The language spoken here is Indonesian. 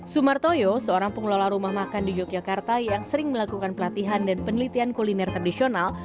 sumartoyo seorang pengelola rumah makan di yogyakarta yang sering melakukan pelatihan dan penelitian kuliner tradisional